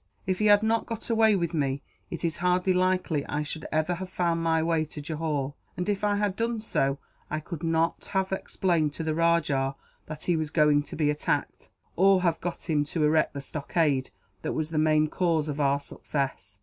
If he had not got away with me, it is hardly likely I should ever have found my way to Johore and, if I had done so, I could not have explained to the rajah that he was going to be attacked, or have got him to erect the stockade that was the main cause of our success.